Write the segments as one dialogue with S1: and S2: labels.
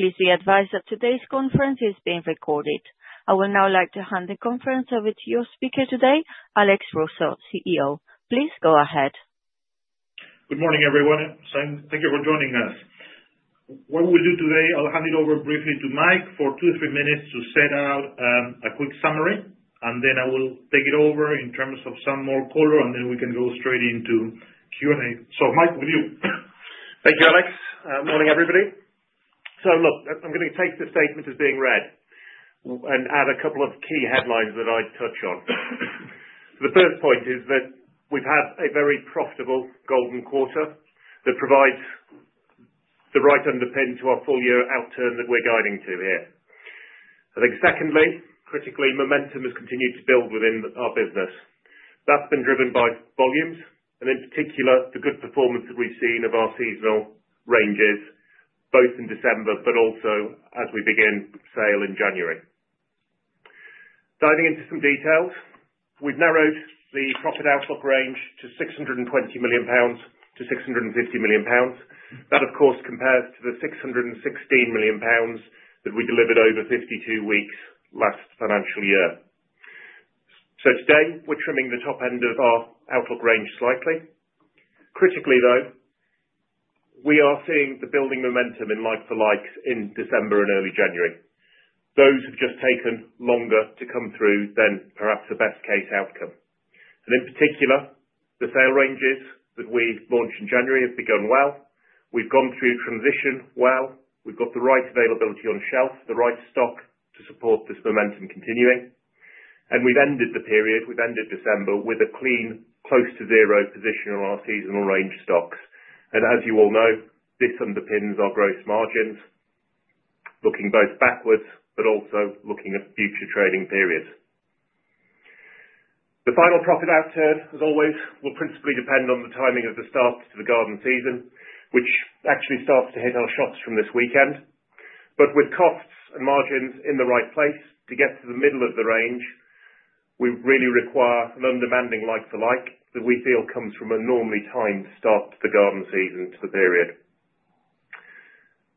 S1: Please be advised that today's conference is being recorded. I would now like to hand the conference over to your speaker today, Alex Russo, CEO. Please go ahead.
S2: Good morning, everyone. Thank you for joining us. What we'll do today, I'll hand it over briefly to Mike for two or three minutes to set out a quick summary, and then I will take it over in terms of some more color, and then we can go straight into Q&A. So, Mike, with you.
S3: Thank you, Alex. Good morning, everybody. So, look, I'm going to take the statement as being read and add a couple of key headlines that I'd touch on. The first point is that we've had a very profitable golden quarter that provides the right underpin to our full-year outturn that we're guiding to here. I think, secondly, critically, momentum has continued to build within our business. That's been driven by volumes and, in particular, the good performance that we've seen of our seasonal ranges, both in December but also as we begin sale in January. Diving into some details, we've narrowed the profit-outlook range to £620 million-£650 million. That, of course, compares to the £616 million that we delivered over 52 weeks last financial year. So today, we're trimming the top end of our outlook range slightly. Critically, though, we are seeing the building momentum in like-for-likes in December and early January. Those have just taken longer to come through than perhaps the best-case outcome. And, in particular, the sale ranges that we launched in January have begun well. We've gone through transition well. We've got the right availability on shelf, the right stock to support this momentum continuing. And we've ended the period. We've ended December with a clean close-to-zero position on our seasonal range stocks. And, as you all know, this underpins our gross margins, looking both backwards but also looking at future trading periods. The final profit-outturn, as always, will principally depend on the timing of the start of the garden season, which actually starts to hit our shops from this weekend. But with costs and margins in the right place to get to the middle of the range, we really require an undemanding like-for-like that we feel comes from a normally timed start to the garden season to the period.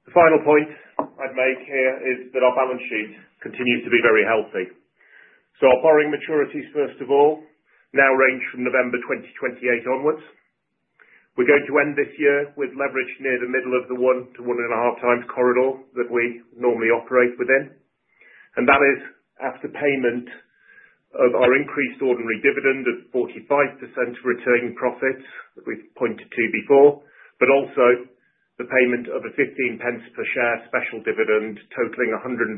S3: The final point I'd make here is that our balance sheet continues to be very healthy. So our borrowing maturities, first of all, now range from November 2028 onwards. We're going to end this year with leverage near the middle of the one to one-and-a-half times corridor that we normally operate within. And that is after payment of our increased ordinary dividend of 45% returning profits that we've pointed to before, but also the payment of a 0.15 per share special dividend totaling 151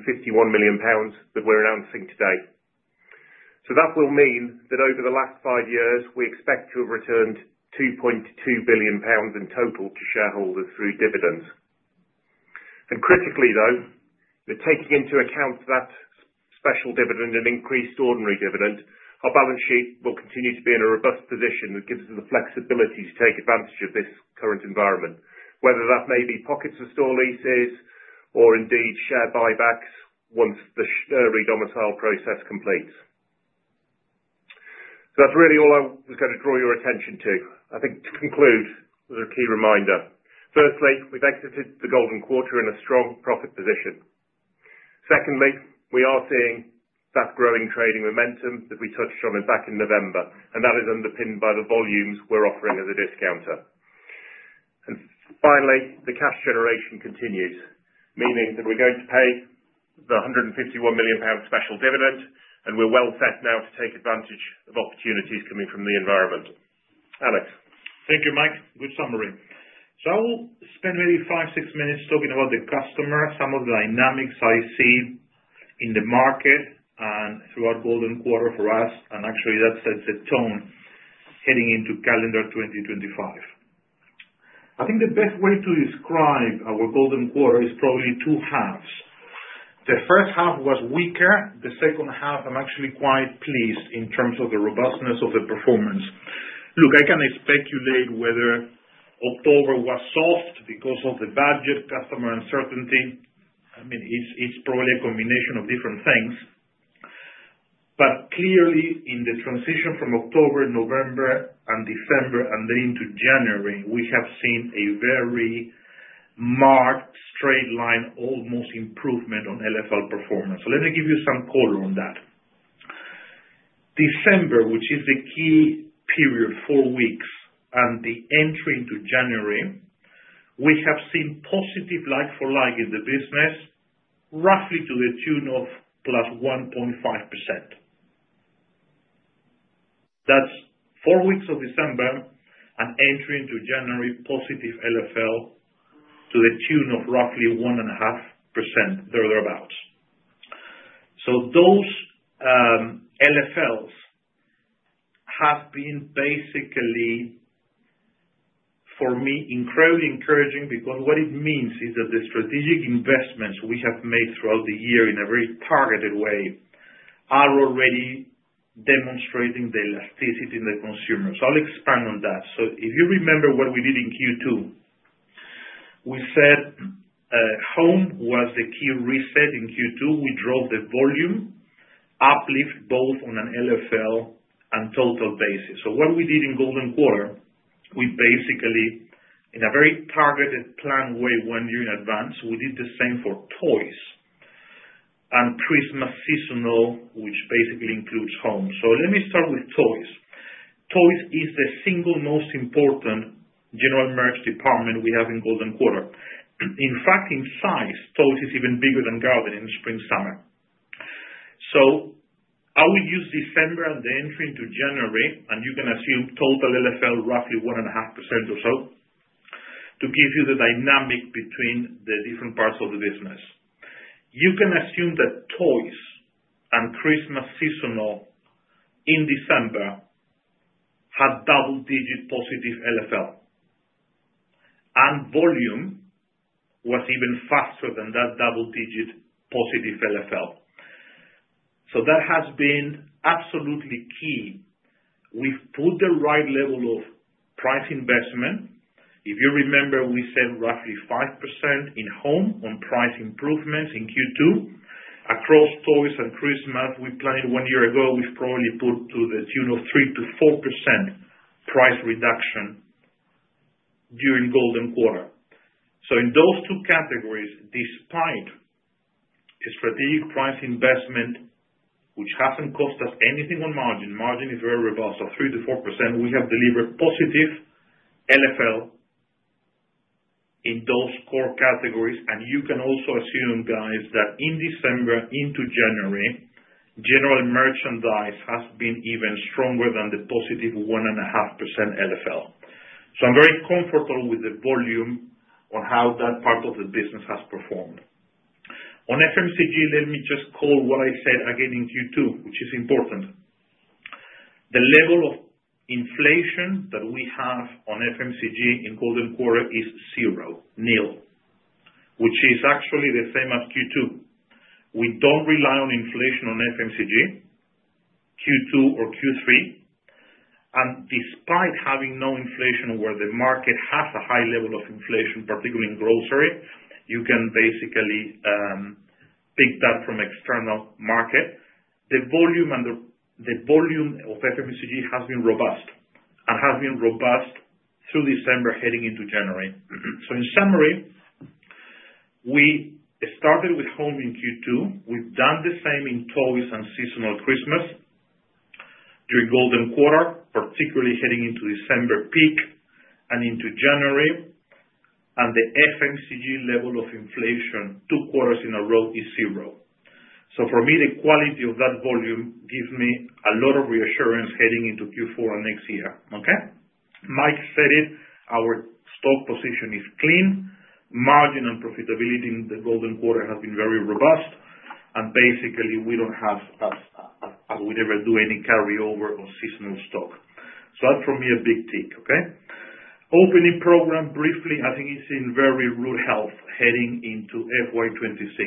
S3: million pounds that we're announcing today. So that will mean that over the last five years, we expect to have returned 2.2 billion pounds in total to shareholders through dividends. And, critically, though, taking into account that special dividend and increased ordinary dividend, our balance sheet will continue to be in a robust position that gives us the flexibility to take advantage of this current environment, whether that may be pockets of store leases or, indeed, share buybacks once the re-domicile process completes. So that's really all I was going to draw your attention to. I think, to conclude, there's a key reminder. Firstly, we've exited the golden quarter in a strong profit position. Secondly, we are seeing that growing trading momentum that we touched on back in November, and that is underpinned by the volumes we're offering as a discounter. Finally, the cash generation continues, meaning that we're going to pay the GBP 151 million special dividend, and we're well set now to take advantage of opportunities coming from the environment. Alex.
S2: Thank you, Mike. Good summary. So I will spend maybe five, six minutes talking about the customer, some of the dynamics I see in the market and throughout golden quarter for us, and actually, that sets the tone heading into calendar 2025. I think the best way to describe our golden quarter is probably two halves. The first half was weaker. The second half, I'm actually quite pleased in terms of the robustness of the performance. Look, I can speculate whether October was soft because of the budget, customer uncertainty. I mean, it's probably a combination of different things. But, clearly, in the transition from October, November, and December, and then into January, we have seen a very marked, straight-line, almost improvement on LFL performance. So let me give you some color on that. December, which is the key period, four weeks, and the entry into January, we have seen positive like-for-like in the business, roughly to the tune of plus 1.5%. That's four weeks of December and entry into January, positive LFL to the tune of roughly 1.5%, there or thereabouts. So those LFLs have been basically, for me, incredibly encouraging because what it means is that the strategic investments we have made throughout the year in a very targeted way are already demonstrating the elasticity in the consumers. I'll expand on that. So if you remember what we did in Q2, we said home was the key reset in Q2. We drove the volume uplift both on an LFL and total basis. So what we did in golden quarter, we basically, in a very targeted, planned way, one year in advance, we did the same for toys and Christmas seasonal, which basically includes home. So let me start with toys. Toys is the single most important general merch department we have in golden quarter. In fact, in size, toys is even bigger than garden in spring-summer. So I will use December and the entry into January, and you can assume total LFL roughly 1.5% or so, to give you the dynamic between the different parts of the business. You can assume that toys and Christmas seasonal in December had double-digit positive LFL, and volume was even faster than that double-digit positive LFL. So that has been absolutely key. We've put the right level of price investment. If you remember, we said roughly 5% in home on price improvements in Q2. Across toys and Christmas, we planned one year ago, we've probably put to the tune of 3%-4% price reduction during golden quarter. So in those two categories, despite a strategic price investment, which hasn't cost us anything on margin, margin is very robust, of 3%-4%, we have delivered positive LFL in those core categories. And you can also assume, guys, that in December into January, general merchandise has been even stronger than the positive 1.5% LFL. So I'm very comfortable with the volume on how that part of the business has performed. On FMCG, let me just call what I said again in Q2, which is important. The level of inflation that we have on FMCG in golden quarter is zero, nil, which is actually the same as Q2. We don't rely on inflation on FMCG Q2 or Q3. Despite having no inflation where the market has a high level of inflation, particularly in grocery, you can basically pick that from external market. The volume of FMCG has been robust and has been robust through December heading into January. In summary, we started with home in Q2. We've done the same in toys and seasonal Christmas during golden quarter, particularly heading into December peak and into January. The FMCG level of inflation two quarters in a row is zero. For me, the quality of that volume gives me a lot of reassurance heading into Q4 and next year. Okay? Mike said it. Our stock position is clean. Margin and profitability in the golden quarter has been very robust. Basically, we don't have, as we never do, any carryover of seasonal stock. That's, for me, a big take. Okay? Opening program, briefly, I think it's in very rude health heading into FY26.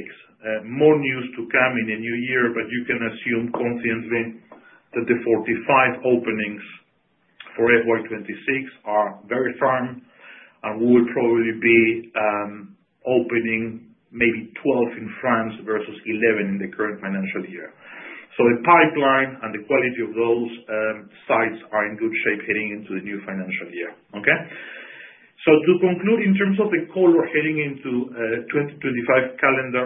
S2: More news to come in the new year, but you can assume confidently that the 45 openings for FY26 are very firm, and we will probably be opening maybe 12 in France versus 11 in the current financial year. So the pipeline and the quality of those sites are in good shape heading into the new financial year. Okay? So, to conclude, in terms of the color heading into 2025 calendar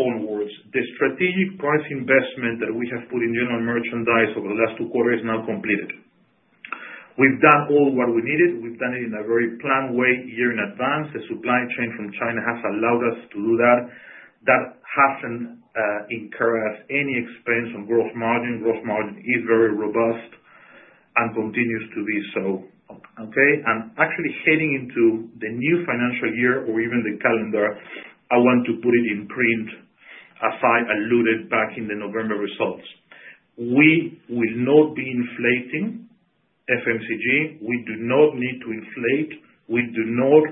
S2: onwards, the strategic price investment that we have put in general merchandise over the last two quarters is now completed. We've done all what we needed. We've done it in a very planned way a year in advance. The supply chain from China has allowed us to do that. That hasn't incurred us any expense on gross margin. Gross margin is very robust and continues to be so. Okay? And, actually, heading into the new financial year or even the calendar, I want to put it in print as I alluded back in the November results. We will not be inflating FMCG. We do not need to inflate. We do not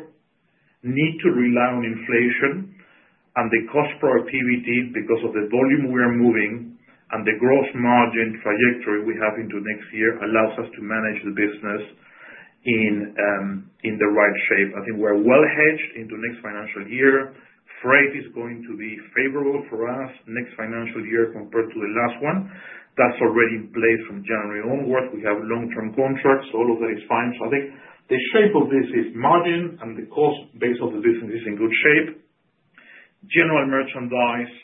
S2: need to rely on inflation. And the cost per activity, because of the volume we are moving and the gross margin trajectory we have into next year, allows us to manage the business in the right shape. I think we're well hedged into next financial year. Freight is going to be favorable for us next financial year compared to the last one. That's already in place from January onwards. We have long-term contracts. All of that is fine. I think the shape of this is margin, and the cost base of the business is in good shape. General merchandise,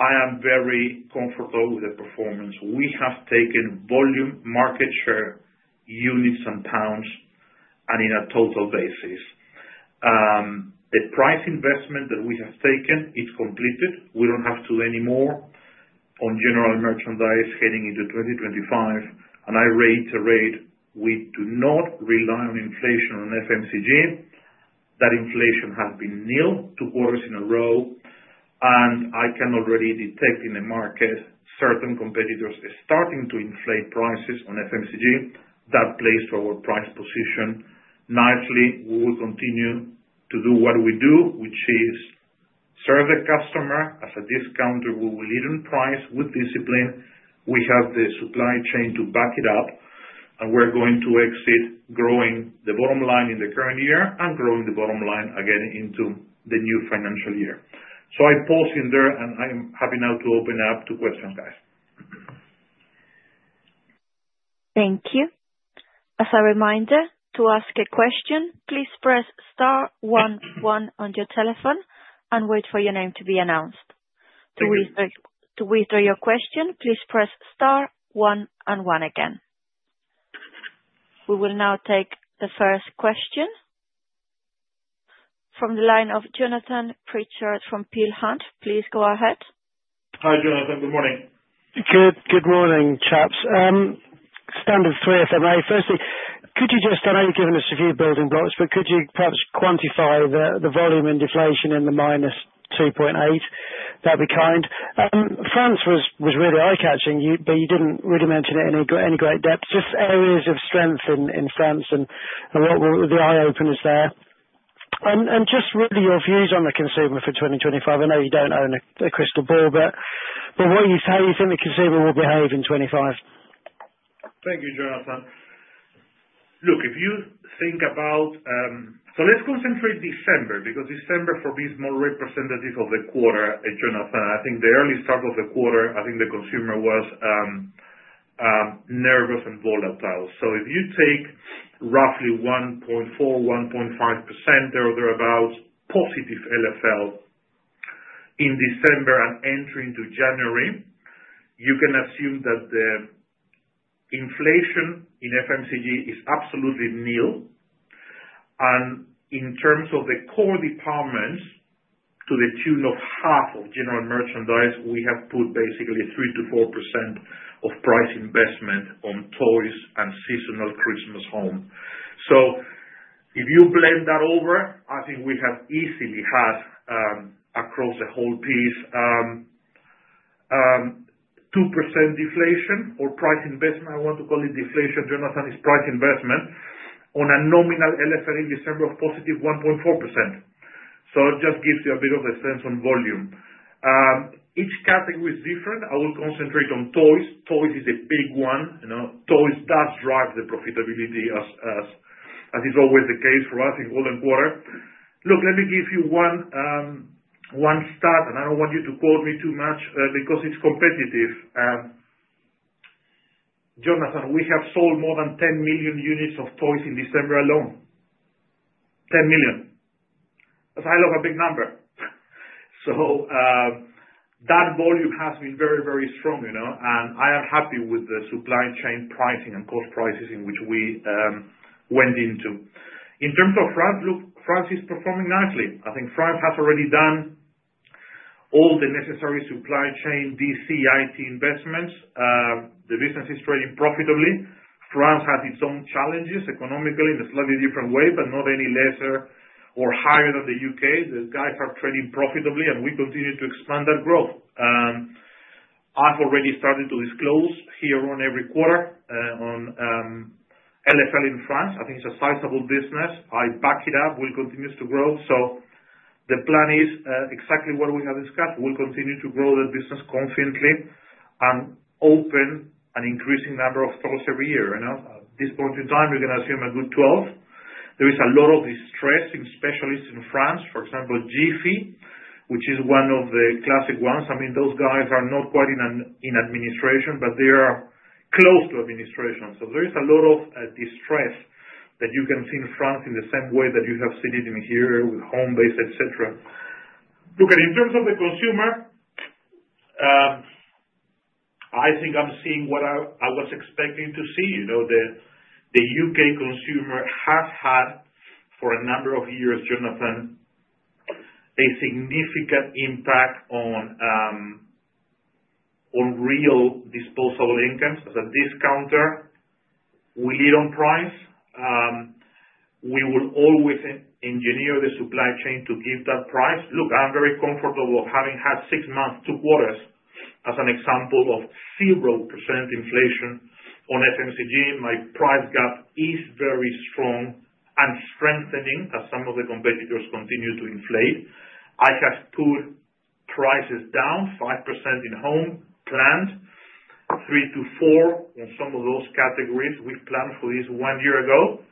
S2: I am very comfortable with the performance. We have taken volume, market share, units, and pounds, and in a total basis. The price investment that we have taken is completed. We don't have to do any more on general merchandise heading into 2025. And I reiterate, we do not rely on inflation on FMCG. That inflation has been nil two quarters in a row. And I can already detect in the market certain competitors are starting to inflate prices on FMCG. That plays to our price position nicely. We will continue to do what we do, which is serve the customer as a discounter. We will lead in price with discipline. We have the supply chain to back it up. We're going to exit growing the bottom line in the current year and growing the bottom line again into the new financial year. I pause in there, and I'm happy now to open up to questions, guys. Thank you. As a reminder, to ask a question, please press star 1, 1 on your telephone and wait for your name to be announced. To withdraw your question, please press star 1 and 1 again. We will now take the first question from the line of Jonathan Pritchard from Peel Hunt. Please go ahead.
S1: Hi, Jonathan. Good morning.
S4: Good morning, chaps. Standard three, if iImay. Firstly, could you just, I know you've given us a few building blocks, but could you perhaps quantify the volume in deflation in the -2.8%? That'd be kind. France was really eye-catching, but you didn't really mention it in any great depth. Just areas of strength in France and the eye-openers there. And just really your views on the consumer for 2025. I know you don't own a crystal ball, but how do you think the consumer will behave in 2025?
S2: Thank you, Jonathan. Look, if you think about, so let's concentrate December because December, for me, is more representative of the quarter, Jonathan. I think the early start of the quarter, I think the consumer was nervous and volatile. So if you take roughly 1.4-1.5%, there or thereabouts, positive LFL in December and entry into January, you can assume that the inflation in FMCG is absolutely nil. And in terms of the core departments, to the tune of half of general merchandise, we have put basically 3-4% of price investment on toys and seasonal Christmas home. So if you blend that over, I think we have easily had, across the whole piece, 2% deflation or price investment. I want to call it deflation, Jonathan, it's price investment on a nominal LFL in December of positive 1.4%. So it just gives you a bit of a sense on volume. Each category is different. I will concentrate on toys. Toys is a big one. Toys does drive the profitability, as is always the case for us in golden quarter. Look, let me give you one stat, and I don't want you to quote me too much because it's competitive. Jonathan, we have sold more than 10 million units of toys in December alone. 10 million. That's a hell of a big number. So that volume has been very, very strong, and I am happy with the supply chain pricing and cost prices in which we went into. In terms of France, look, France is performing nicely. I think France has already done all the necessary supply chain DC/IT investments. The business is trading profitably. France has its own challenges economically in a slightly different way, but not any lesser or higher than the UK. The guys are trading profitably, and we continue to expand that growth. I've already started to disclose here on every quarter on LFL in France. I think it's a sizable business. I back it up. We'll continue to grow, so the plan is exactly what we have discussed. We'll continue to grow the business confidently and open an increasing number of stores every year. At this point in time, we can assume a good 12. There is a lot of distress in specialists in France. For example, GiFi, which is one of the classic ones. I mean, those guys are not quite in administration, but they are close to administration, so there is a lot of distress that you can see in France in the same way that you have seen it in here with Homebase, etc. Look, and in terms of the consumer, I think I'm seeing what I was expecting to see. The U.K. consumer has had, for a number of years, Jonathan, a significant impact on real disposable income. As a discounter, we lead on price. We will always engineer the supply chain to give that price. Look, I'm very comfortable having had six months, two quarters, as an example of 0% inflation on FMCG. My price gap is very strong and strengthening as some of the competitors continue to inflate. I have put prices down 5% in home, planned 3%-4% on some of those categories. We planned for this one year ago.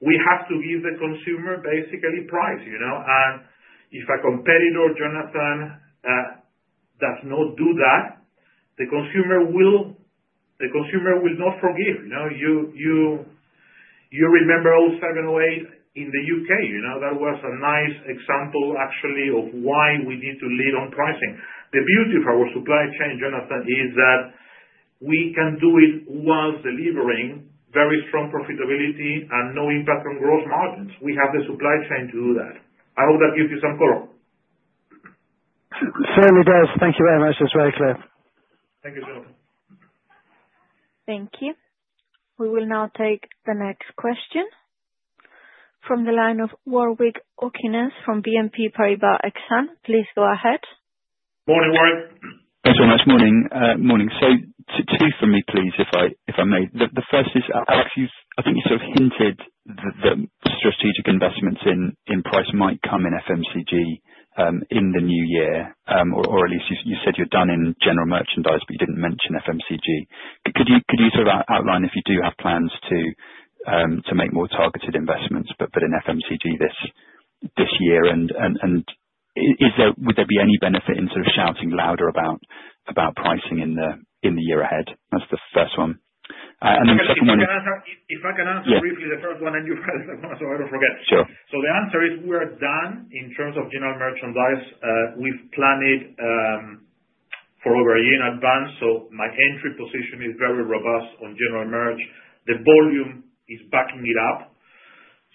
S2: We have to give the consumer basically price. And if a competitor, Jonathan, does not do that, the consumer will not forgive. You remember 2007/08 in the U.K. That was a nice example, actually, of why we need to lead on pricing. The beauty of our supply chain, Jonathan, is that we can do it whilst delivering very strong profitability and no impact on gross margins. We have the supply chain to do that. I hope that gives you some color.
S4: Certainly does. Thank you very much. That's very clear.
S2: Thank you, Jonathan. Thank you. We will now take the next question from the line of Warwick Okines from BNP Paribas Exane. Please go ahead.
S1: Morning, Warwick.
S5: Thanks so much. Morning. So two for me, please, if I may. The first is, Alex, I think you sort of hinted that strategic investments in price might come in FMCG in the new year, or at least you said you're done in general merchandise, but you didn't mention FMCG. Could you sort of outline if you do have plans to make more targeted investments, but in FMCG this year? And would there be any benefit in sort of shouting louder about pricing in the year ahead? That's the first one. And then the second one.
S2: If I can answer briefly the first one and you press the one, so I don't forget.
S5: Sure.
S2: So, the answer is we're done in terms of general merchandise. We've planned it for over a year in advance. So, my entry position is very robust on general merch. The volume is backing it up.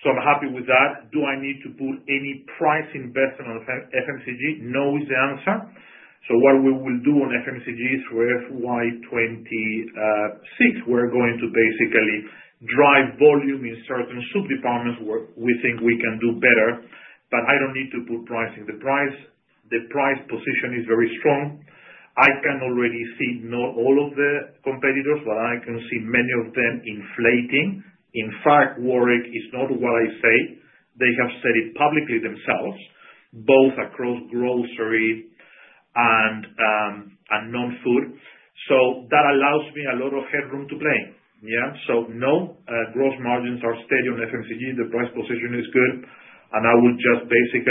S2: So, I'm happy with that. Do I need to put any price investment on FMCG? No is the answer. So, what we will do on FMCG is for FY26, we're going to basically drive volume in certain sub-departments where we think we can do better. But I don't need to put pricing. The price position is very strong. I can already see not all of the competitors, but I can see many of them inflating. In fact, Warwick, it's not what I say. They have said it publicly themselves, both across grocery and non-food. So, that allows me a lot of headroom to play. Yeah? So, no, gross margins are steady on FMCG. The price position is good. I will just basically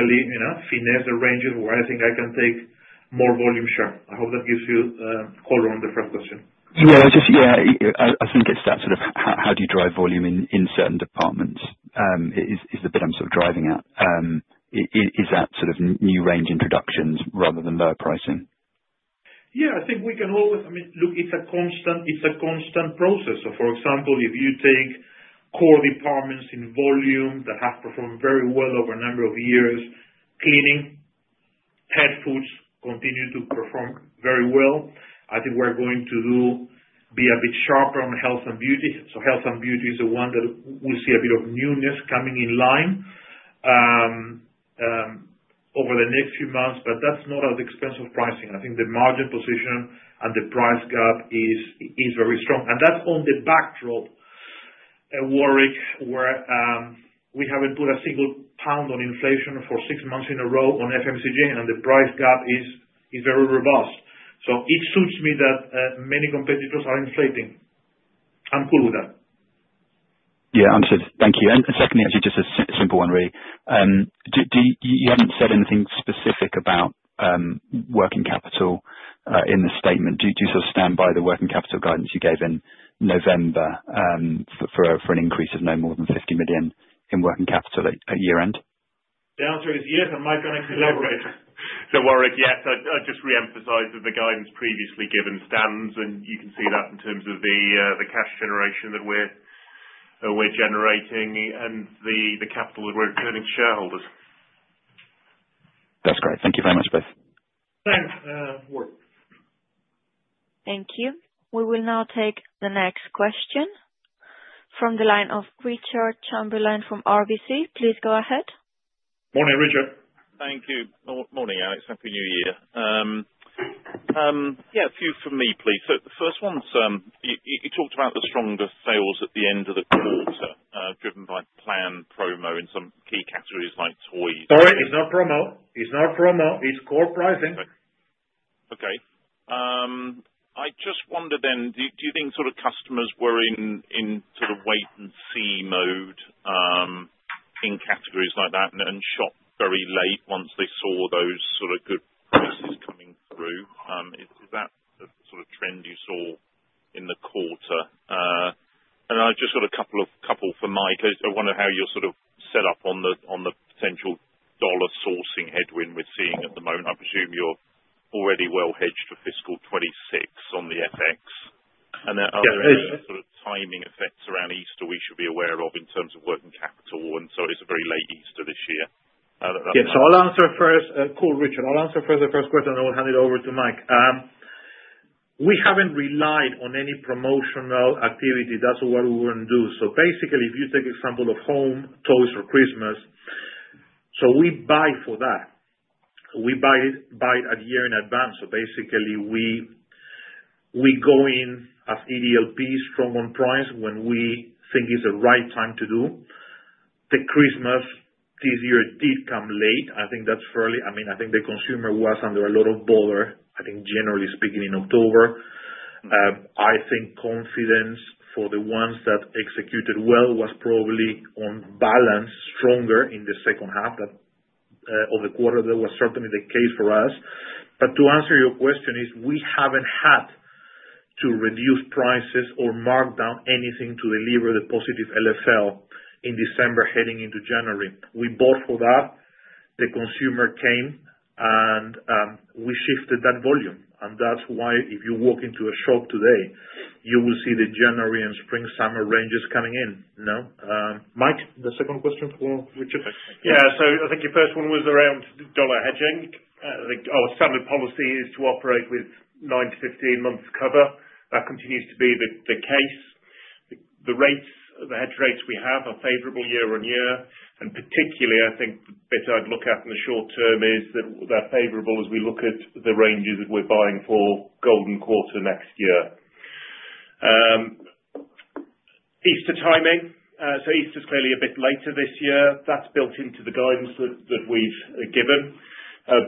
S2: finesse the ranges where I think I can take more volume share. I hope that gives you color on the first question.
S5: Yeah. I think it's that sort of how do you drive volume in certain departments is the bit I'm sort of driving at. Is that sort of new range introductions rather than lower pricing?
S2: Yeah. I think we can always, I mean, look, it's a constant process. So, for example, if you take core departments in volume that have performed very well over a number of years, cleaning, pet foods continue to perform very well. I think we're going to be a bit sharper on health and beauty. So health and beauty is the one that we see a bit of newness coming in line over the next few months. But that's not at the expense of pricing. I think the margin position and the price gap is very strong. And that's on the backdrop, Warwick, where we haven't put a single pound on inflation for six months in a row on FMCG, and the price gap is very robust. So it suits me that many competitors are inflating. I'm cool with that.
S5: Yeah. Understood. Thank you. And secondly, actually, just a simple one, really. You haven't said anything specific about working capital in the statement. Do you sort of stand by the working capital guidance you gave in November for an increase of no more than 50 million in working capital at year-end?
S2: The answer is yes, and Mike can elaborate.
S3: So, Warwick, yes. I'd just re-emphasize that the guidance previously given stands, and you can see that in terms of the cash generation that we're generating and the capital that we're returning to shareholders.
S5: That's great. Thank you very much, both.
S2: Thanks, Warwick. Thank you. We will now take the next question from the line of Richard Chamberlain from RBC. Please go ahead.
S1: Morning, Richard.
S6: Thank you. Morning, Alex. Happy New Year. Yeah, a few for me, please. So the first one's you talked about the stronger sales at the end of the quarter driven by planned promo in some key categories like toys.
S2: Sorry, it's not promo. It's not promo. It's core pricing.
S6: Okay. I just wondered then, do you think sort of customers were in sort of wait-and-see mode in categories like that and shopped very late once they saw those sort of good prices coming through? Is that the sort of trend you saw in the quarter? And I've just got a couple for Mike. I wonder how you're sort of set up on the potential dollar sourcing headwind we're seeing at the moment. I presume you're already well hedged for fiscal 26 on the FX. And are there any sort of timing effects around Easter we should be aware of in terms of working capital? And so it's a very late Easter this year.
S2: Yeah. So I'll answer first. Cool, Richard. I'll answer first the first question, and I will hand it over to Mike. We haven't relied on any promotional activity. That's what we want to do. So basically, if you take the example of home, toys, or Christmas, so we buy for that. We buy it a year in advance. So basically, we go in as EDLP strong on price when we think it's the right time to do. The Christmas this year did come late. I think that's fairly, I mean, I think the consumer was under a lot of boredom, I think, generally speaking, in October. I think confidence for the ones that executed well was probably on balance stronger in the second half of the quarter. That was certainly the case for us. But to answer your question, we haven't had to reduce prices or mark down anything to deliver the positive LFL in December heading into January. We bought for that. The consumer came, and we shifted that volume. And that's why if you walk into a shop today, you will see the January and spring, summer ranges coming in. Mike, the second question for Richard.
S3: Yeah. So I think your first one was around dollar hedging. Our standard policy is to operate with nine to 15 months cover. That continues to be the case. The hedge rates we have are favorable year on year. And particularly, I think the bit I'd look at in the short term is that they're favorable as we look at the ranges that we're buying for golden quarter next year. Easter timing. So Easter's clearly a bit later this year. That's built into the guidance that we've given,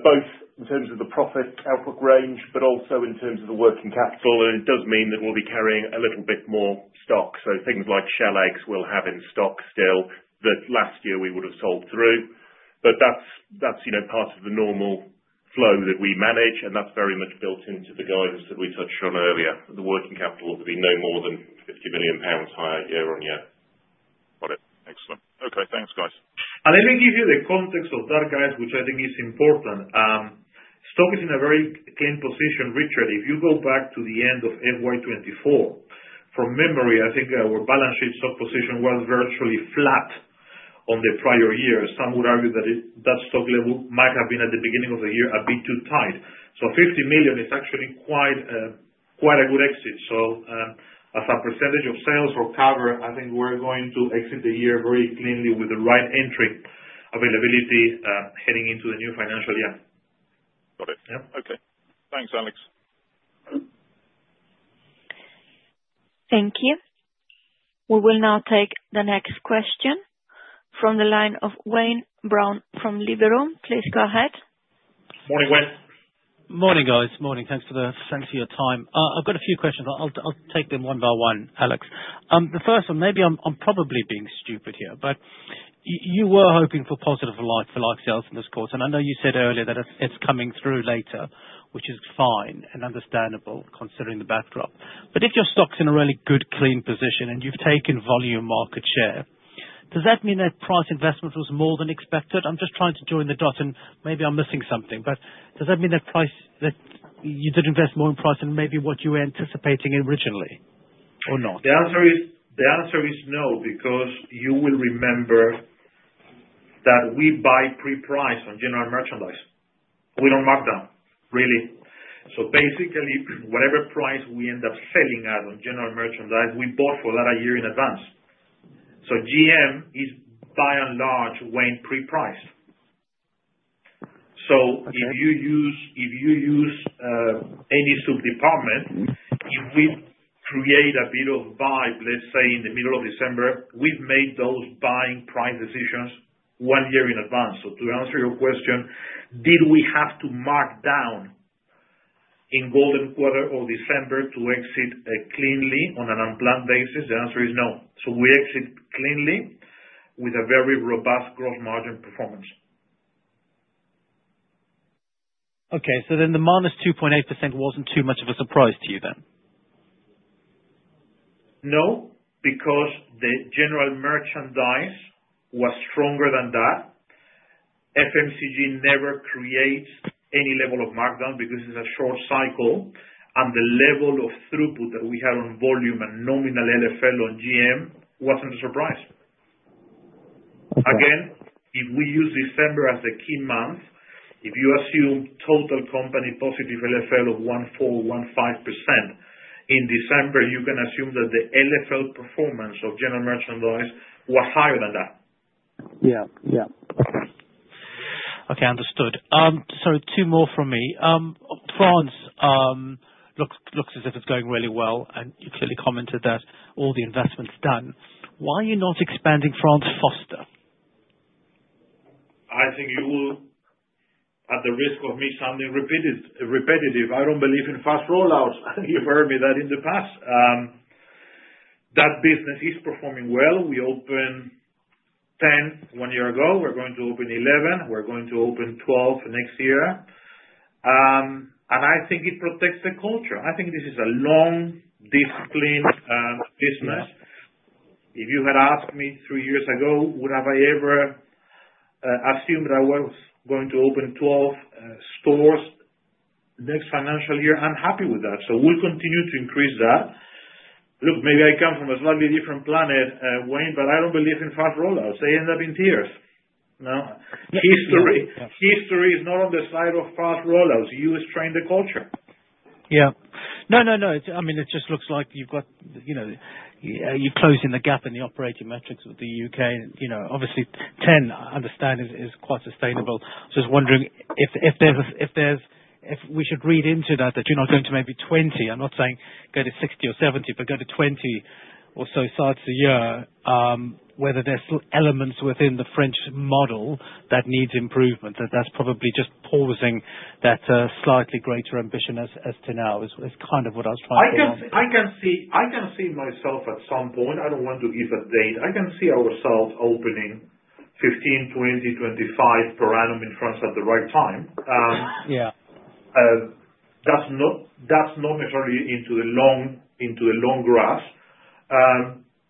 S3: both in terms of the profit outlook range, but also in terms of the working capital. And it does mean that we'll be carrying a little bit more stock. So things like shell eggs we'll have in stock still that last year we would have sold through. But that's part of the normal flow that we manage, and that's very much built into the guidance that we touched on earlier. The working capital will be no more than £50 million higher year on year.
S6: Got it. Excellent. Okay. Thanks, guys.
S2: Let me give you the context of that, guys, which I think is important. Stock is in a very clean position. Richard, if you go back to the end of FY24, from memory, I think our balance sheet stock position was virtually flat on the prior year. Some would argue that that stock level might have been at the beginning of the year a bit too tight. 50 million is actually quite a good exit. As a percentage of sales or cover, I think we're going to exit the year very cleanly with the right entry availability heading into the new financial year.
S1: Got it. Okay. Thanks, Alex. Thank you. We will now take the next question from the line of Wayne Brown from Liberum. Please go ahead.
S2: Morning, Wayne.
S7: Morning, guys. Morning. Thanks for your time. I've got a few questions. I'll take them one by one, Alex. The first one, maybe I'm probably being stupid here, but you were hoping for positive LFL sales in this quarter. And I know you said earlier that it's coming through later, which is fine and understandable considering the backdrop. But if your stock's in a really good, clean position and you've taken volume market share, does that mean that price investment was more than expected? I'm just trying to join the dots, and maybe I'm missing something. But does that mean that you did invest more in price than maybe what you were anticipating originally or not?
S2: The answer is no, because you will remember that we buy pre-price on general merchandise. We don't mark down, really. So basically, whatever price we end up selling at on general merchandise, we bought for that a year in advance. So GM is by and large buying pre-price. So if you use any sub-department, if we create a bit of vibe, let's say in the middle of December, we've made those buying price decisions one year in advance. So to answer your question, did we have to mark down in golden quarter or December to exit cleanly on an unplanned basis? The answer is no. So we exit cleanly with a very robust gross margin performance.
S7: Okay. So then the -2.8% wasn't too much of a surprise to you then?
S2: No, because the general merchandise was stronger than that. FMCG never creates any level of markdown because it's a short cycle. And the level of throughput that we had on volume and nominal LFL on GM wasn't a surprise. Again, if we use December as the key month, if you assume total company positive LFL of 1.4%-1.5% in December, you can assume that the LFL performance of general merchandise was higher than that.
S7: So two more from me. France looks as if it's going really well, and you clearly commented that all the investment's done. Why are you not expanding France faster?
S2: I think you will, at the risk of me sounding repetitive. I don't believe in fast rollouts. You've heard me that in the past. That business is performing well. We opened 10 one year ago. We're going to open 11. We're going to open 12 next year, and I think it protects the culture. I think this is a long-disciplined business. If you had asked me three years ago, would I ever assume that I was going to open 12 stores next financial year? I'm happy with that, so we'll continue to increase that. Look, maybe I come from a slightly different planet, Wayne, but I don't believe in fast rollouts. They end up in tears. History is not on the side of fast rollouts. You strain the culture.
S7: Yeah. No, no, no. I mean, it just looks like you're closing the gap in the operating metrics with the UK. Obviously, 10, I understand, is quite sustainable. I was just wondering if we should read into that that you're not going to maybe 20. I'm not saying go to 60 or 70, but go to 20 or so sites a year, whether there's elements within the French model that needs improvement, that's probably just pausing that slightly greater ambition as to now is kind of what I was trying to get at.
S2: I can see myself at some point. I don't want to give a date. I can see ourselves opening 15, 20, 25 per annum in France at the right time. That's not necessarily into the long grasp.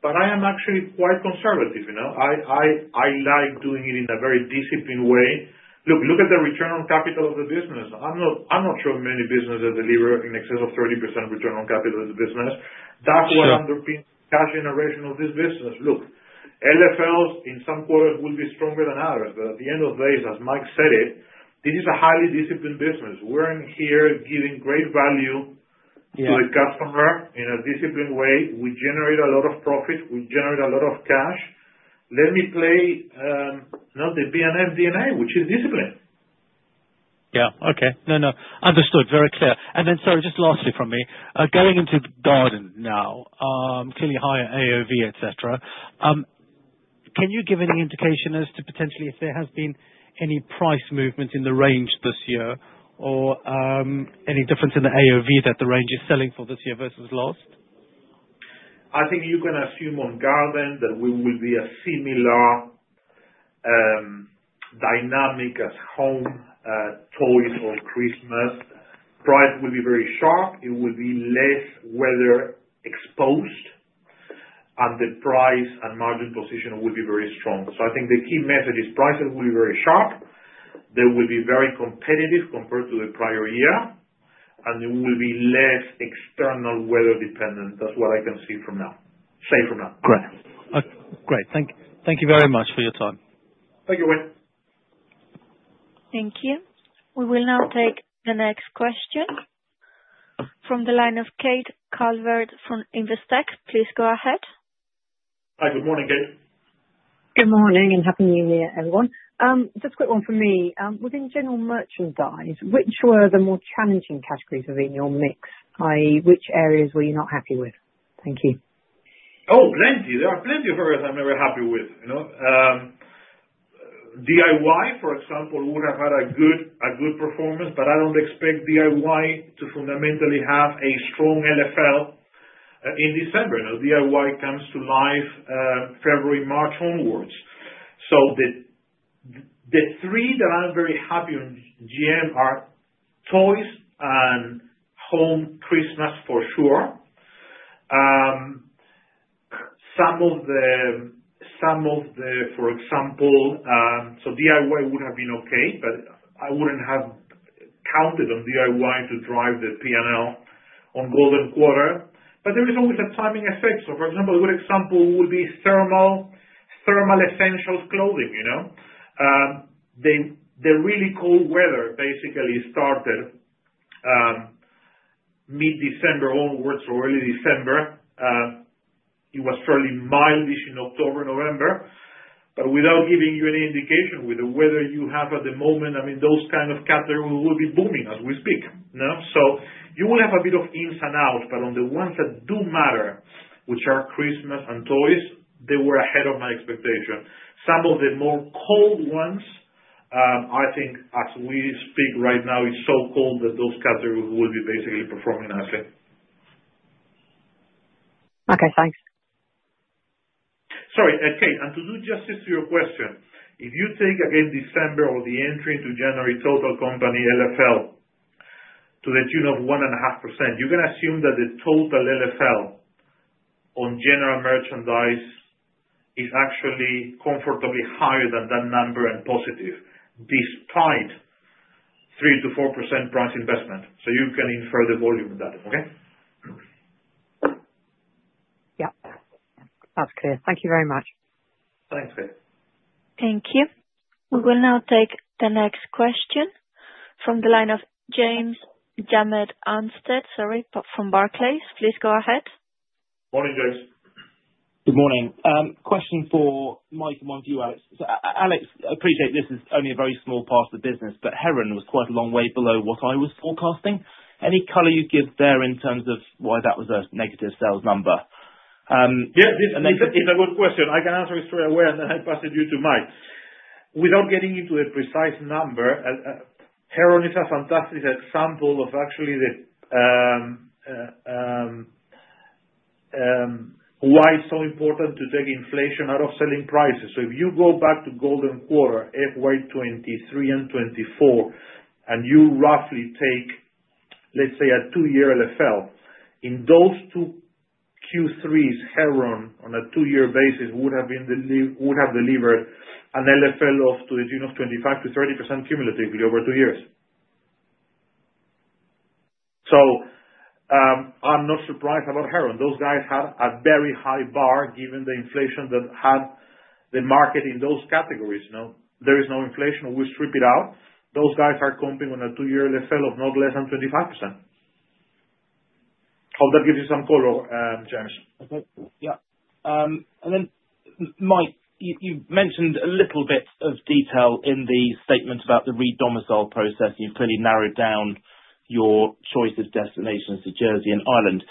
S2: But I am actually quite conservative. I like doing it in a very disciplined way. Look, look at the return on capital of the business. I'm not sure of many businesses that deliver in excess of 30% return on capital of the business. That's what underpins the cash generation of this business. Look, LFLs in some quarters will be stronger than others. But at the end of the day, as Mike said it, this is a highly disciplined business. We're in here giving great value to the customer in a disciplined way. We generate a lot of profit. We generate a lot of cash. Let me play the B&M DNA, which is discipline.
S7: Yeah. Okay. No, no. Understood. Very clear. And then, sorry, just lastly from me, going into garden now, clearly higher AOV, etc., can you give any indication as to potentially if there has been any price movement in the range this year or any difference in the AOV that the range is selling for this year versus last?
S2: I think you can assume on garden that we will be a similar dynamic as home toys on Christmas. Price will be very sharp. It will be less weather exposed, and the price and margin position will be very strong. So I think the key message is prices will be very sharp. They will be very competitive compared to the prior year, and it will be less external weather dependent. That's what I can see from now, say from now.
S7: Great. Okay. Great. Thank you very much for your time.
S2: Thank you, Wayne. Thank you. We will now take the next question from the line of Kate Calvert from Investec. Please go ahead.
S1: Hi. Good morning, Kate.
S8: Good morning and happy New Year, everyone. Just a quick one for me. Within general merchandise, which were the more challenging categories within your mix, i.e., which areas were you not happy with? Thank you.
S2: Oh, plenty. There are plenty of areas I'm very happy with. DIY, for example, would have had a good performance, but I don't expect DIY to fundamentally have a strong LFL in December. DIY comes to life February, March onwards. So the three that I'm very happy on GM are toys and home Christmas for sure. Some of the, for example, so DIY would have been okay, but I wouldn't have counted on DIY to drive the P&L on golden quarter. But there is always a timing effect. So, for example, a good example would be thermal essentials clothing. The really cold weather basically started mid-December onwards or early December. It was fairly mildish in October and November. But without giving you any indication with the weather you have at the moment, I mean, those kinds of categories will be booming as we speak. You will have a bit of ins and outs, but on the ones that do matter, which are Christmas and toys, they were ahead of my expectation. Some of the more cold ones, I think as we speak right now, it's so cold that those categories will be basically performing nicely.
S8: Okay. Thanks.
S2: Sorry. And Kate, to do justice to your question, if you take again December or the entry into January total company LFL to the tune of 1.5%, you can assume that the total LFL on general merchandise is actually comfortably higher than that number and positive despite 3%-4% price investment. So you can infer the volume of that, okay?
S8: Yep. That's clear. Thank you very much.
S2: Thanks, Kate. Thank you. We will now take the next question from the line of James Anstead, sorry, from Barclays. Please go ahead.
S1: Morning, James.
S9: Good morning. Question for Mike and one for you, Alex. Alex, I appreciate this is only a very small part of the business, but Heron was quite a long way below what I was forecasting. Any color you give there in terms of why that was a negative sales number?
S2: Yeah. It's a good question. I can answer it straight away, and then I'll pass it over to Mike. Without getting into a precise number, Heron is a fantastic example of actually why it's so important to take inflation out of selling prices. So if you go back to golden quarter, FY 2023 and 2024, and you roughly take, let's say, a two-year LFL, in those two Q3s, Heron on a two-year basis would have delivered an LFL of 25%-30% cumulatively over two years. So I'm not surprised about Heron. Those guys had a very high bar given the inflation that had the market in those categories. There is no inflation. We strip it out. Those guys are comping on a two-year LFL of not less than 25%. Hope that gives you some color, James.
S9: Okay. Yeah. And then, Mike, you've mentioned a little bit of detail in the statement about the re-domicile process. You've clearly narrowed down your choice of destinations to Jersey and Ireland.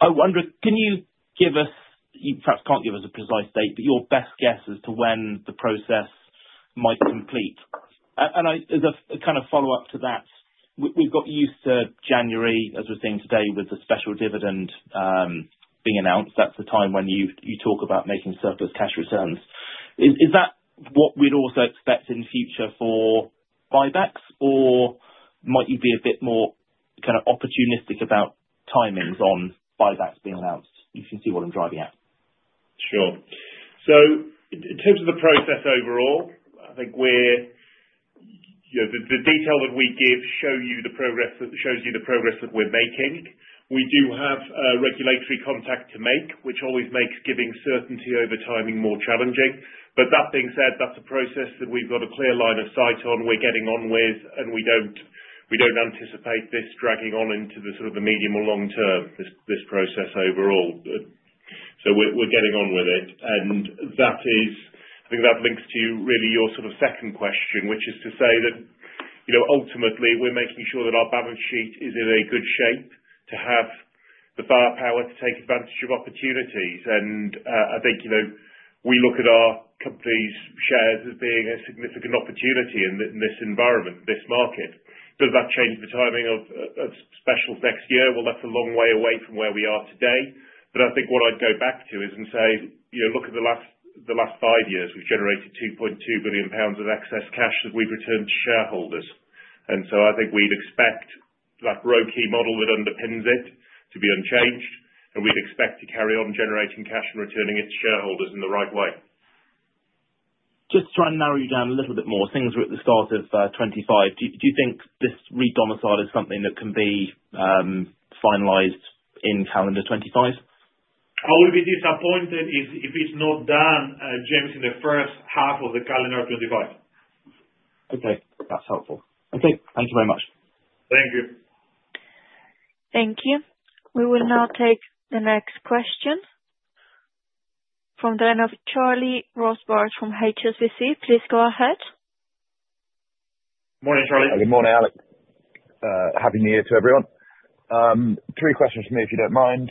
S9: I wonder, can you give us - you perhaps can't give us a precise date - but your best guess as to when the process might complete? And as a kind of follow-up to that, we've got used to January, as we're seeing today, with the special dividend being announced. That's the time when you talk about making surplus cash returns. Is that what we'd also expect in the future for buybacks, or might you be a bit more kind of opportunistic about timings on buybacks being announced? You can see what I'm driving at.
S3: Sure. So in terms of the process overall, I think the detail that we give shows you the progress that we're making. We do have regulatory contact to make, which always makes giving certainty over timing more challenging. But that being said, that's a process that we've got a clear line of sight on. We're getting on with, and we don't anticipate this dragging on into the sort of medium or long term, this process overall. So we're getting on with it. And I think that links to really your sort of second question, which is to say that ultimately, we're making sure that our balance sheet is in a good shape to have the firepower to take advantage of opportunities. And I think we look at our company's shares as being a significant opportunity in this environment, this market. Does that change the timing of specials next year? That's a long way away from where we are today, but I think what I'd go back to is, and say, "Look at the last five years. We've generated 2.2 billion pounds of excess cash that we've returned to shareholders.", and so I think we'd expect that ROIC model that underpins it to be unchanged, and we'd expect to carry on generating cash and returning it to shareholders in the right way.
S9: Just to try and narrow you down a little bit more, things are at the start of 2025. Do you think this re-domicile is something that can be finalized in calendar 2025?
S2: I will be disappointed if it's not done, James, in the first half of the calendar 2025.
S9: Okay. That's helpful. Okay. Thank you very much.
S2: Thank you. Thank you. We will now take the next question from the line of Charlie Muir-Sands from HSBC. Please go ahead.
S1: Morning, Charlie.
S10: Good morning, Alex. Happy New Year to everyone. Three questions for me, if you don't mind.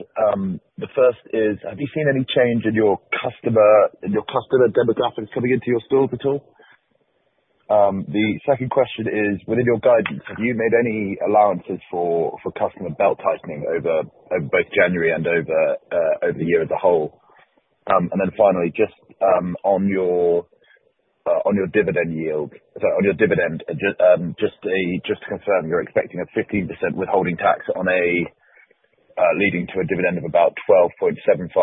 S10: The first is, have you seen any change in your customer demographics coming into your stores at all? The second question is, within your guidance, have you made any allowances for customer belt tightening over both January and over the year as a whole? And then finally, just on your dividend yield, sorry, on your dividend, just to confirm, you're expecting a 15% withholding tax leading to a dividend of about 0.1275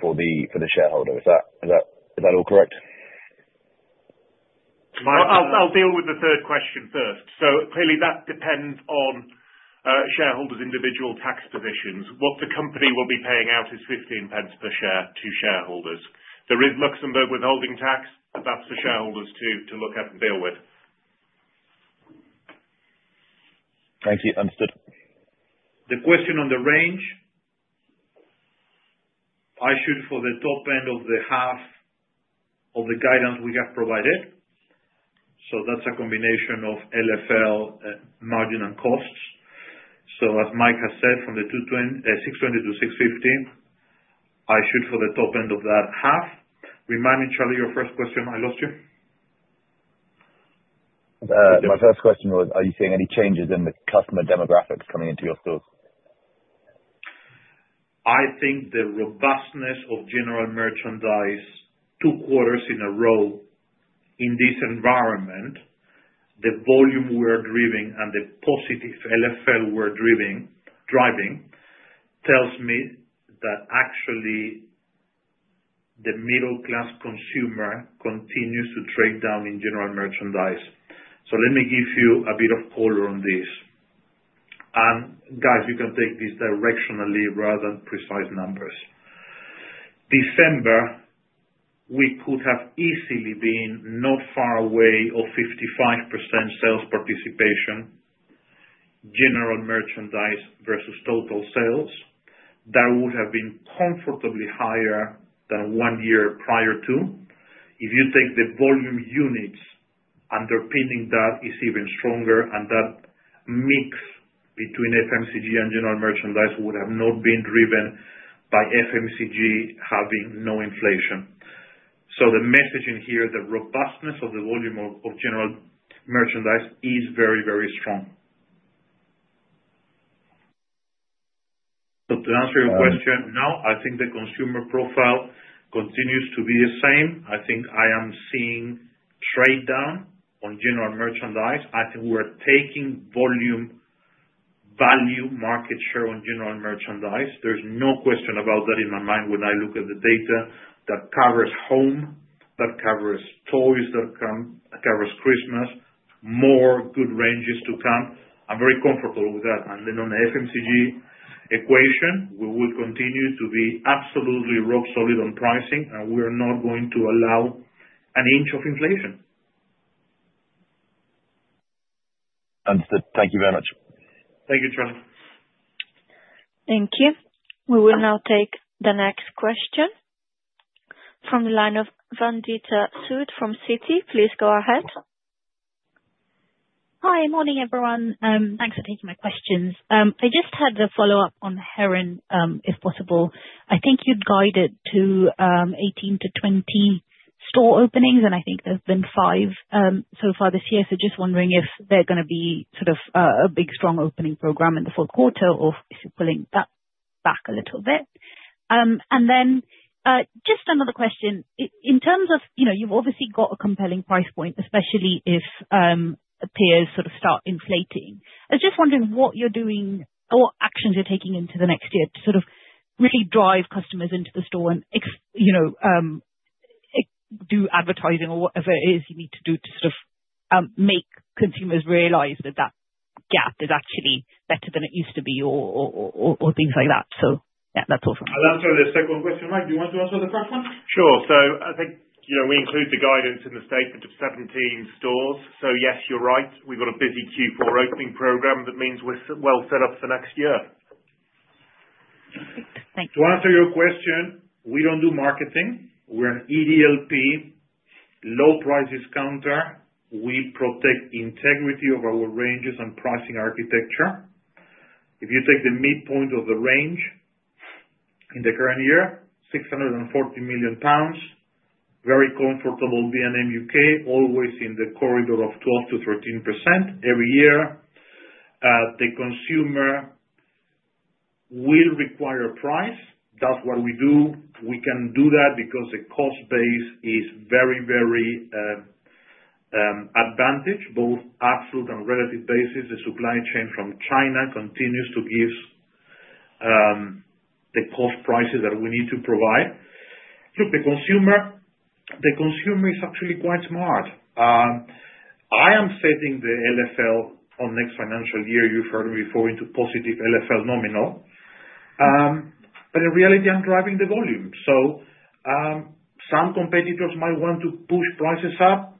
S10: for the shareholder. Is that all correct?
S2: I'll deal with the third question first. So clearly, that depends on shareholders' individual tax positions. What the company will be paying out is 0.15 per share to shareholders. There is Luxembourg withholding tax, but that's for shareholders to look at and deal with.
S10: Thank you. Understood.
S2: The question on the range, I'm shooting for the top end of the half of the guidance we have provided. So that's a combination of LFL, margin, and costs. So as Mike has said, from the 620-650, I'm shooting for the top end of that half. Remind me, Charlie, your first question. I lost you.
S10: My first question was, are you seeing any changes in the customer demographics coming into your stores?
S2: I think the robustness of general merchandise two quarters in a row in this environment, the volume we're driving and the positive LFL we're driving tells me that actually the middle-class consumer continues to trade down in general merchandise. So let me give you a bit of color on this. And guys, you can take this directionally rather than precise numbers. December, we could have easily been not far away from 55% sales participation, general merchandise versus total sales. That would have been comfortably higher than one year prior to. If you take the volume units, underpinning that is even stronger, and that mix between FMCG and general merchandise would have not been driven by FMCG having no inflation. So the messaging here, the robustness of the volume of general merchandise is very, very strong. So to answer your question now, I think the consumer profile continues to be the same. I think I am seeing trade down on general merchandise. I think we're taking volume value market share on general merchandise. There's no question about that in my mind when I look at the data that covers home, that covers toys, that covers Christmas, more good ranges to come. I'm very comfortable with that. And then on the FMCG equation, we will continue to be absolutely rock solid on pricing, and we are not going to allow an inch of inflation.
S10: Understood. Thank you very much.
S1: Thank you, Charlie. Thank you. We will now take the next question from the line of Vandana Sood from Citi. Please go ahead.
S11: Hi. Morning, everyone. Thanks for taking my questions. I just had a follow-up on Heron, if possible. I think you'd guided to 18-20 store openings, and I think there's been five so far this year. So just wondering if they're going to be sort of a big strong opening program in the fourth quarter or if you're pulling that back a little bit, and then just another question. In terms of you've obviously got a compelling price point, especially if peers sort of start inflating. I was just wondering what you're doing or what actions you're taking into the next year to sort of really drive customers into the store and do advertising or whatever it is you need to do to sort of make consumers realize that that gap is actually better than it used to be or things like that. So yeah, that's awesome.
S2: I'll answer the second question. Mike, do you want to answer the first one?
S3: Sure. So I think we include the guidance in the statement of 17 stores. So yes, you're right. We've got a busy Q4 opening program. That means we're well set up for next year.
S11: Perfect. Thank you.
S3: To answer your question, we don't do marketing. We're an EDLP, low-price discounter. We protect integrity of our ranges and pricing architecture. If you take the midpoint of the range in the current year, 640 million pounds, very comfortable B&M UK, always in the corridor of 12%-13% every year. The consumer will require a price. That's what we do. We can do that because the cost base is very, very advantaged, both absolute and relative basis. The supply chain from China continues to give the cost prices that we need to provide. Look, the consumer is actually quite smart. I am setting the LFL on next financial year, you've heard me before, into positive LFL nominal. But in reality, I'm driving the volume. So some competitors might want to push prices up.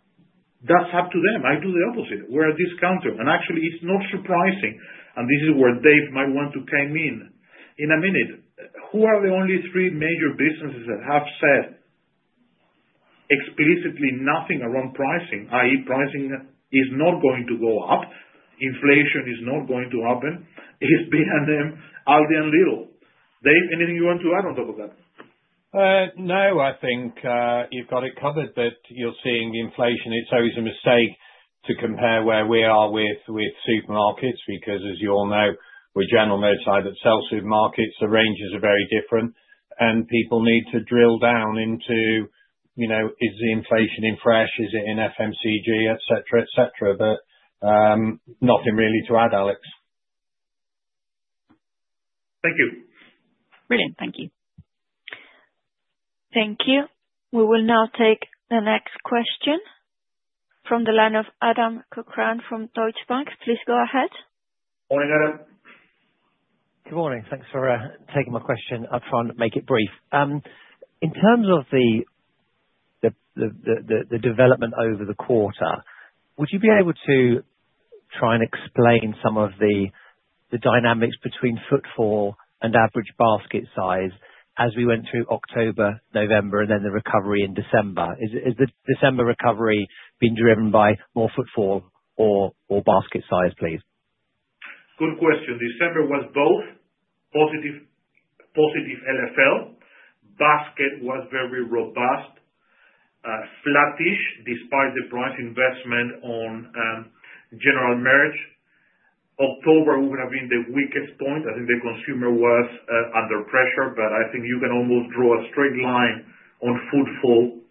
S3: That's up to them. I do the opposite. We're a discounter. And actually, it's not surprising. This is where Dave might want to come in. In a minute, who are the only three major businesses that have said explicitly nothing around pricing, i.e., pricing is not going to go up, inflation is not going to happen, it's B&M, Aldi, and Lidl? Dave, anything you want to add on top of that?
S12: No, I think you've got it covered that you're seeing inflation. It's always a mistake to compare where we are with supermarkets because, as you all know, we're general merch side that sells supermarkets. The ranges are very different, and people need to drill down into, is the inflation in fresh? Is it in FMCG? Etc., etc. But nothing really to add, Alex.
S2: Thank you.
S1: Brilliant. Thank you. Thank you. We will now take the next question from the line of Adam Cochrane from Deutsche Bank. Please go ahead.
S2: Morning, Adam.
S13: Good morning. Thanks for taking my question up front. Make it brief. In terms of the development over the quarter, would you be able to try and explain some of the dynamics between footfall and average basket size as we went through October, November, and then the recovery in December? Has the December recovery been driven by more footfall or basket size, please?
S2: Good question. December was both positive LFL. Basket was very robust, flattish despite the price investment on general merchandise. October would have been the weakest point. I think the consumer was under pressure, but I think you can almost draw a straight line on footfall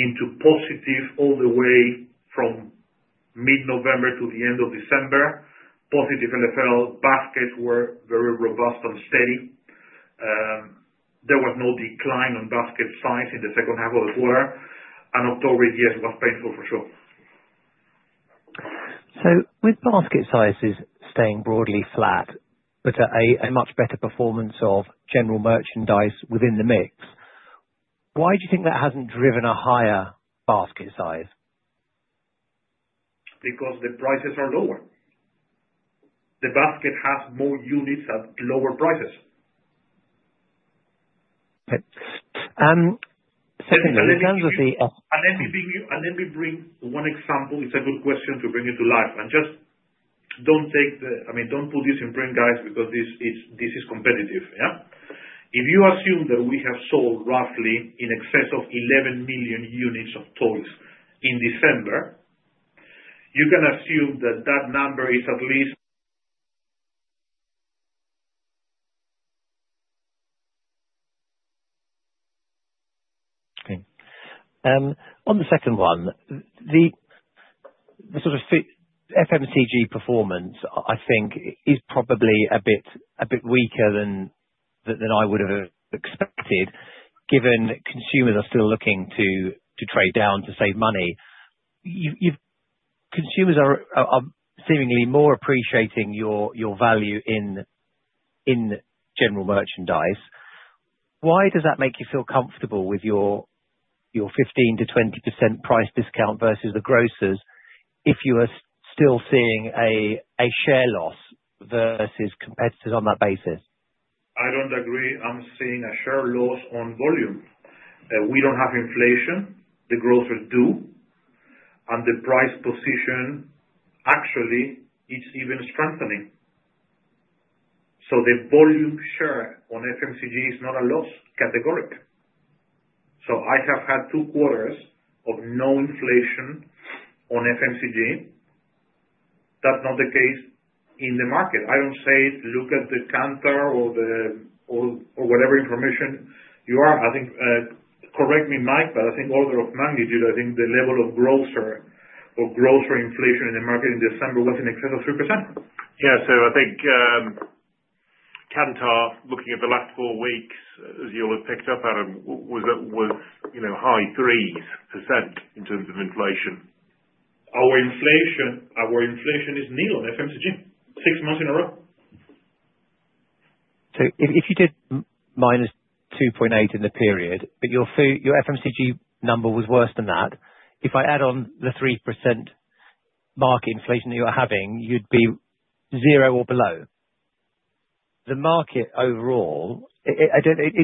S2: into positive all the way from mid-November to the end of December. Positive LFL baskets were very robust and steady. There was no decline on basket size in the second half of the quarter, and October, yes, was painful for sure.
S13: With basket sizes staying broadly flat, but a much better performance of general merchandise within the mix, why do you think that hasn't driven a higher basket size?
S2: Because the prices are lower. The basket has more units at lower prices.
S13: Okay. Secondly, in terms of the.
S2: Let me bring one example. It's a good question to bring it to life. Just don't take the-I mean, don't put this in print, guys, because this is competitive. Yeah? If you assume that we have sold roughly in excess of 11 million units of toys in December, you can assume that that number is at least.
S13: Okay. On the second one, the sort of FMCG performance, I think, is probably a bit weaker than I would have expected given consumers are still looking to trade down to save money. Consumers are seemingly more appreciating your value in general merchandise. Why does that make you feel comfortable with your 15%-20% price discount versus the grocers if you are still seeing a share loss versus competitors on that basis?
S2: I don't agree. I'm seeing a share loss on volume. We don't have inflation. The grocers do, and the price position, actually, it's even strengthening, so the volume share on FMCG is not a loss, categorical, so I have had two quarters of no inflation on FMCG. That's not the case in the market. I don't say, "Look at the Kantar or whatever information you are." I think, correct me, Mike, but I think order of magnitude, I think the level of grocer inflation in the market in December was in excess of 3%.
S3: Yeah. So I think Kantar, looking at the last four weeks, as you'll have picked up, Adam, was high 3% in terms of inflation.
S2: Our inflation is nil on FMCG six months in a row.
S13: So if you did -2.8% in the period, but your FMCG number was worse than that, if I add on the 3% market inflation that you're having, you'd be zero or below. The market overall, it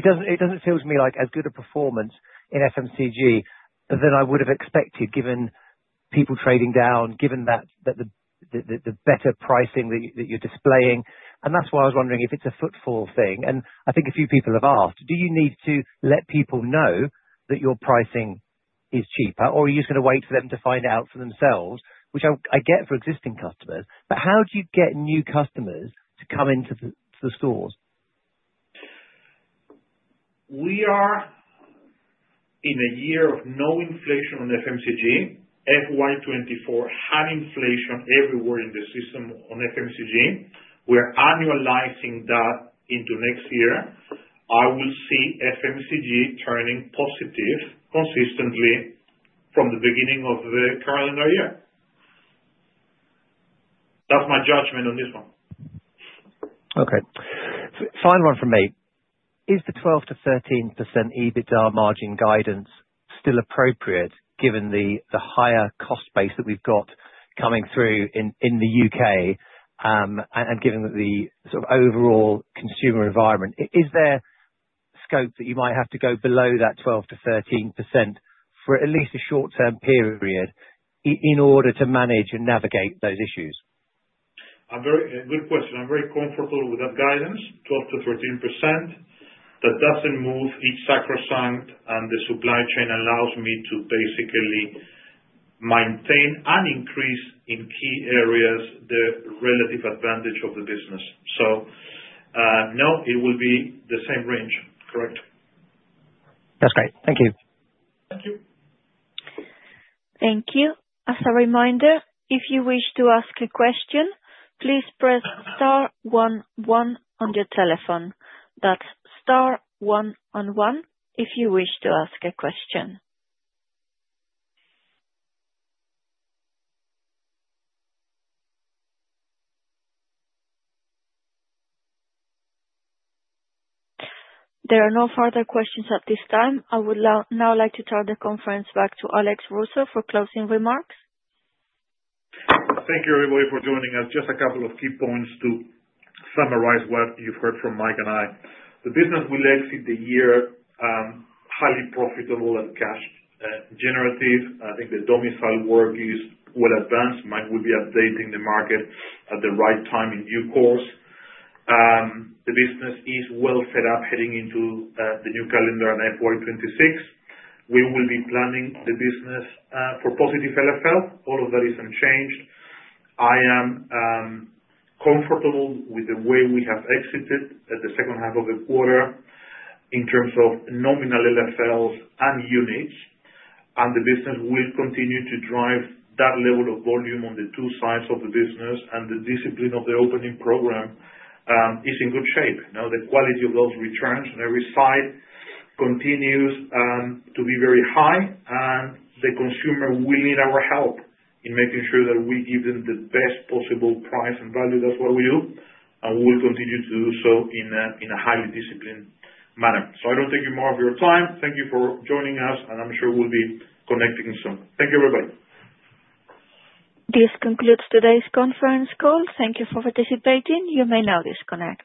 S13: doesn't feel to me like as good a performance in FMCG than I would have expected given people trading down, given the better pricing that you're displaying. And that's why I was wondering if it's a footfall thing. And I think a few people have asked, "Do you need to let people know that your pricing is cheaper, or are you just going to wait for them to find out for themselves?" Which I get for existing customers. But how do you get new customers to come into the stores?
S2: We are, in a year of no inflation on FMCG, FY24, high inflation everywhere in the system on FMCG. We're annualizing that into next year. I will see FMCG turning positive consistently from the beginning of the calendar year. That's my judgment on this one.
S13: Okay. Final one from me. Is the 12%-13% EBITDA margin guidance still appropriate given the higher cost base that we've got coming through in the U.K. and given the sort of overall consumer environment? Is there scope that you might have to go below that 12%-13% for at least a short-term period in order to manage and navigate those issues?
S2: Good question. I'm very comfortable with that guidance, 12%-13%. That doesn't move; it's sacrosanct, and the supply chain allows me to basically maintain and increase in key areas the relative advantage of the business. So no, it will be the same range. Correct.
S13: That's great. Thank you.
S2: Thank you. Thank you. As a reminder, if you wish to ask a question, please press star one-one on your telephone. That's star one-on-one if you wish to ask a question. There are no further questions at this time. I would now like to turn the conference back to Alex Russo for closing remarks.
S1: Thank you, everybody, for joining us. Just a couple of key points to summarize what you've heard from Mike and I. The business will exit the year highly profitable and cash-generative. I think the domicile work is well advanced. Mike will be updating the market at the right time in due course. The business is well set up heading into the new calendar and FY26. We will be planning the business for positive LFL. All of that is unchanged. I am comfortable with the way we have exited at the second half of the quarter in terms of nominal LFLs and units, and the business will continue to drive that level of volume on the two sides of the business, and the discipline of the opening program is in good shape. Now, the quality of those returns on every side continues to be very high, and the consumer will need our help in making sure that we give them the best possible price and value. That's what we do. And we will continue to do so in a highly disciplined manner. So I don't take any more of your time. Thank you for joining us, and I'm sure we'll be connecting soon. Thank you, everybody. This concludes today's conference call. Thank you for participating. You may now disconnect.